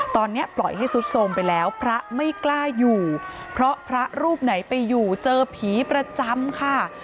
ตอนนี้ปล่อยให้สุดโทรมไปแล้วพระไม่กล้าอยู่เพราะพระรูปไหนไปอยู่เจอผีประจำค่ะ